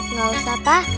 nggak usah pak